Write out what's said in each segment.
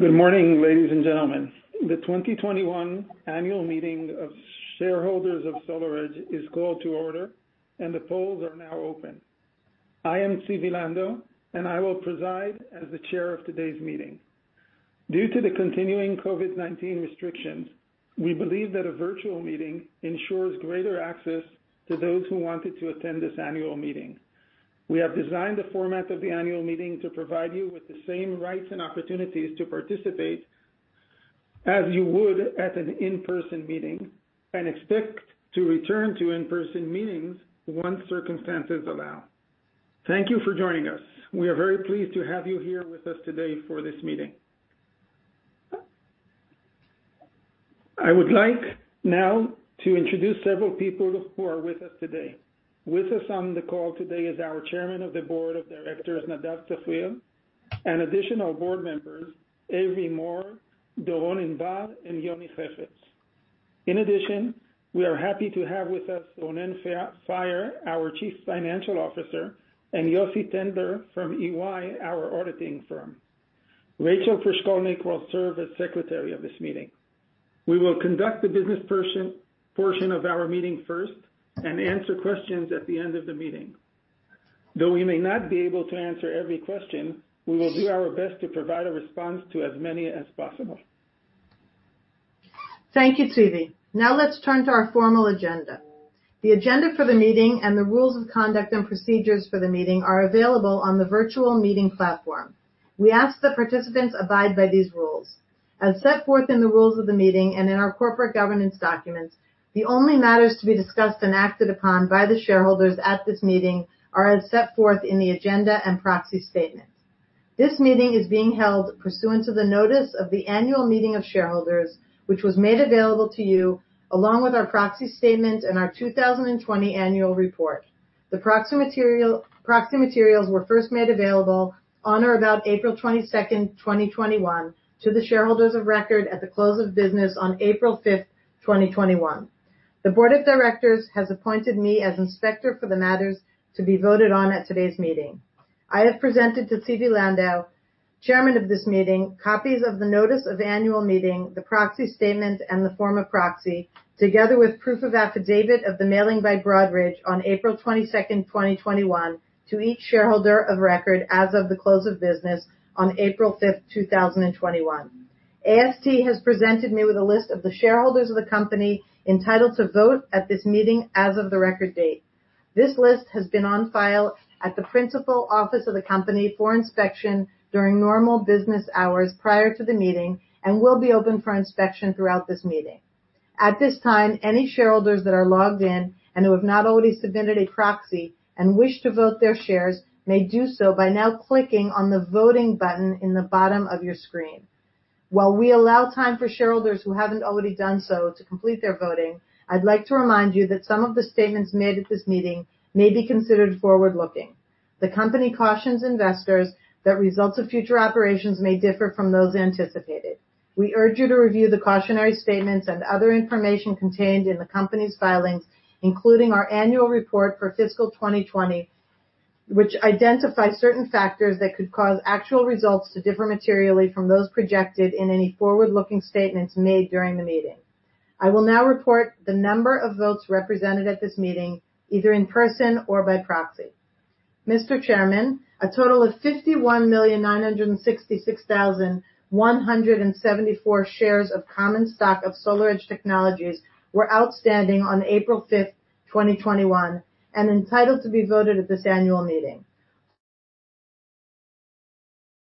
Good morning, ladies and gentlemen. The 2021 annual meeting of shareholders of SolarEdge is called to order, and the polls are now open. I am Zvi Lando, and I will preside as the chair of today's meeting. Due to the continuing COVID-19 restrictions, we believe that a virtual meeting ensures greater access to those who wanted to attend this annual meeting. We have designed the format of the annual meeting to provide you with the same rights and opportunities to participate as you would at an in-person meeting and expect to return to in-person meetings once circumstances allow. Thank you for joining us. We are very pleased to have you here with us today for this meeting. I would like now to introduce several people who are with us today. With us on the call today is our chairman of the Board of Directors, Nadav Zafrir, and additional Board Members, Avery More, Doron Inbal, and Yoni Horowitz. In addition, we are happy to have with us Ronen Faier, our Chief Financial Officer, and Yossi Tember from EY, our auditing firm. Rachel Prishkolnik will serve as secretary of this meeting. We will conduct the business portion of our meeting first and answer questions at the end of the meeting. Though we may not be able to answer every question, we will do our best to provide a response to as many as possible. Thank you, Zvi. Let's turn to our formal agenda. The agenda for the meeting and the rules of conduct and procedures for the meeting are available on the virtual meeting platform. We ask that participants abide by these rules. As set forth in the rules of the meeting and in our corporate governance documents, the only matters to be discussed and acted upon by the shareholders at this meeting are as set forth in the agenda and proxy statement. This meeting is being held pursuant to the notice of the annual meeting of shareholders, which was made available to you along with our proxy statement and our 2020 annual report. The proxy materials were first made available on or about April 22nd, 2021, to the shareholders of record at the close of business on April 5th, 2021. The Board of Directors has appointed me as inspector for the matters to be voted on at today's meeting. I have presented to Zvi Lando, Chairman of this meeting, copies of the notice of annual meeting, the proxy statement, and the form of proxy, together with proof of affidavit of the mailing by Broadridge on April 22nd, 2021, to each shareholder of record as of the close of business on April 5th, 2021. AST has presented me with a list of the shareholders of the company entitled to vote at this meeting as of the record date. This list has been on file at the principal office of the company for inspection during normal business hours prior to the meeting and will be open for inspection throughout this meeting. At this time, any shareholders that are logged in and who have not already submitted a proxy and wish to vote their shares may do so by now clicking on the voting button in the bottom of your screen. While we allow time for shareholders who haven't already done so to complete their voting, I'd like to remind you that some of the statements made at this meeting may be considered forward-looking. The company cautions investors that results of future operations may differ from those anticipated. We urge you to review the cautionary statements and other information contained in the company's filings, including our annual report for fiscal 2020, which identifies certain factors that could cause actual results to differ materially from those projected in any forward-looking statements made during the meeting. I will now report the number of votes represented at this meeting, either in person or by proxy. Mr. Chairman, a total of 51,966,174 shares of common stock of SolarEdge Technologies were outstanding on April 5th, 2021 and entitled to be voted at this annual meeting.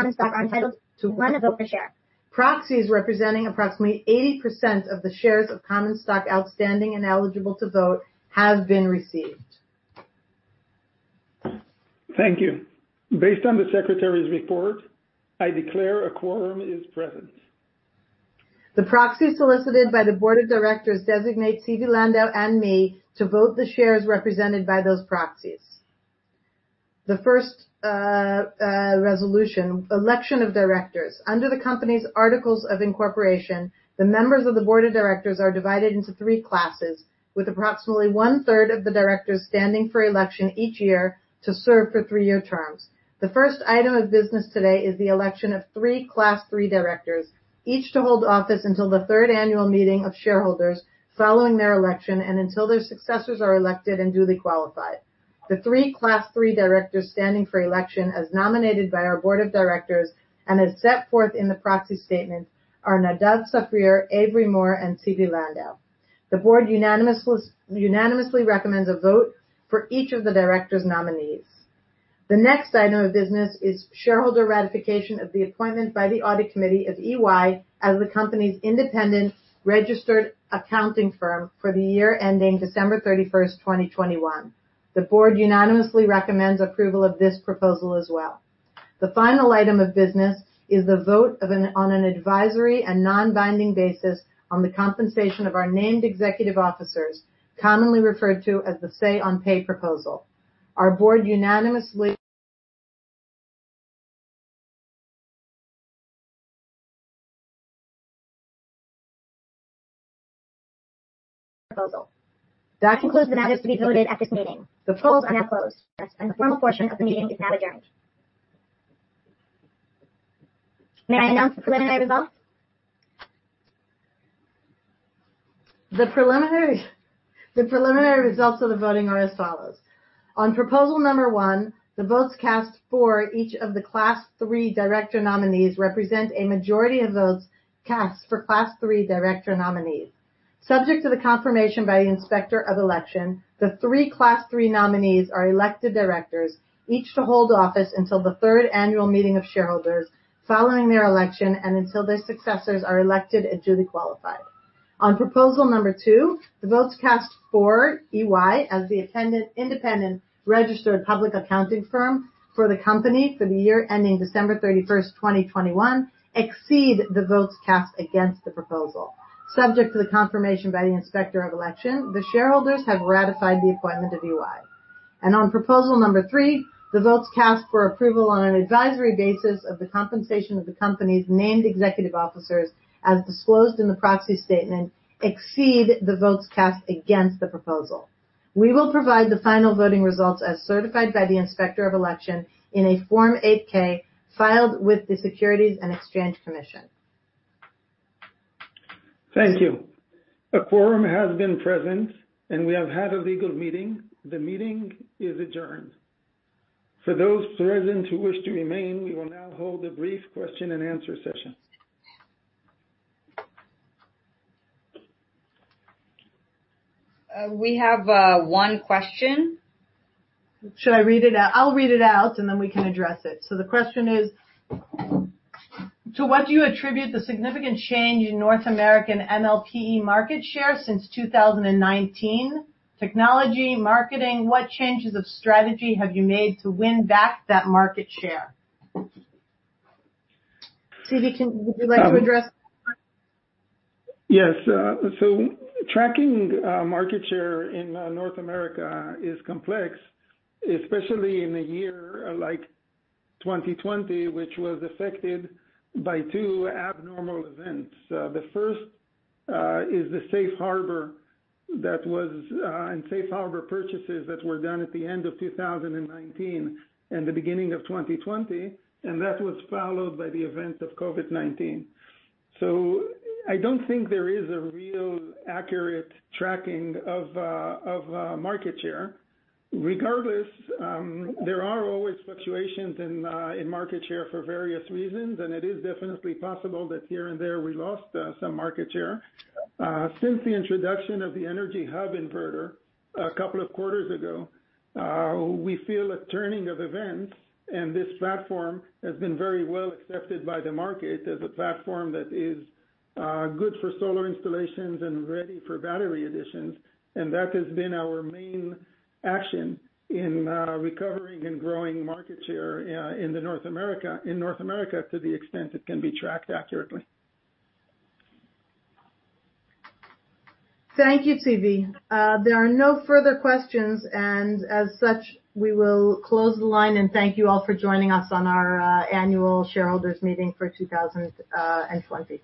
Shares of common stock are entitled to one vote per share. Proxies representing approximately 80% of the shares of common stock outstanding and eligible to vote have been received. Thank you. Based on the secretary's report, I declare a quorum is present. The proxy solicited by the Board of Directors designates Zvi Lando and me to vote the shares represented by those proxies. The first resolution, election of directors. Under the company's articles of incorporation, the members of the Board of Directors are divided into three classes, with approximately one-third of the directors standing for election each year to serve for three-year terms. The first item of business today is the election of three Class III directors, each to hold office until the third annual meeting of shareholders following their election and until their successors are elected and duly qualified. The three Class III Directors standing for election as nominated by our Board of Directors and as set forth in the proxy statement are Nadav Zafrir, Avery More, and Zvi Lando. The Board unanimously recommends a vote for each of the directors' nominees. The next item of business is shareholder ratification of the appointment by the audit committee of EY as the company's independent registered accounting firm for the year ending December 31st, 2021. The Board unanimously recommends approval of this proposal as well. The final item of business is a vote on an advisory and non-binding basis on the compensation of our named executive officers, commonly referred to as the Say on Pay proposal. Our Board unanimously. Proposal. That concludes the matters to be voted at this meeting. The polls are now closed, and the formal portion of the meeting is now adjourned. May I announce the preliminary results? The preliminary results of the voting are as follows. On proposal number one, the votes cast for each of the Class 3 Director nominees represent a majority of votes cast for Class 3 director nominees. Subject to the confirmation by the Inspector of Election, the three Class 3 nominees are elected directors, each to hold office until the third annual meeting of shareholders following their election and until their successors are elected and duly qualified. On proposal number two, the votes cast for EY as the independent registered public accounting firm for the company for the year ending December 31st, 2021, exceed the votes cast against the proposal. Subject to the confirmation by the Inspector of Election, the shareholders have ratified the appointment of EY. On proposal number three, the votes cast for approval on an advisory basis of the compensation of the company's named executive officers, as disclosed in the proxy statement, exceed the votes cast against the proposal. We will provide the final voting results as certified by the Inspector of Election in a Form 8-K filed with the Securities and Exchange Commission. Thank you. A quorum has been present, and we have had a legal meeting. The meeting is adjourned. For those present who wish to remain, we will now hold a brief question-and-answer session. We have one question. Should I read it out? I'll read it out, and then we can address it. The question is, "To what do you attribute the significant change in North American MLPE market share since 2019? Technology, marketing? What changes of strategy have you made to win back that market share? Zvi, would you like to address that one? Yes. Tracking market share in North America is complex, especially in a year like 2020, which was affected by two abnormal events. The first is the safe harbor purchases that were done at the end of 2019 and the beginning of 2020. That was followed by the event of COVID-19. I don't think there is a real accurate tracking of market share. Regardless, there are always fluctuations in market share for various reasons, and it is definitely possible that here and there we lost some market share. Since the introduction of the Energy Hub Inverter a couple of quarters ago, we feel a turning of events, and this platform has been very well accepted by the market as a platform that is good for solar installations and ready for battery additions. That has been our main action in recovering and growing market share in North America to the extent it can be tracked accurately. Thank you, Zvi. There are no further questions, and as such, we will close the line and thank you all for joining us on our annual shareholders meeting for 2020.